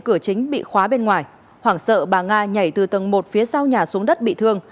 cửa chính bị khóa bên ngoài hoảng sợ bà nga nhảy từ tầng một phía sau nhà xuống đất bị thương